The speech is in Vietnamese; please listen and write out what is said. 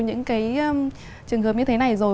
những cái trường hợp như thế này rồi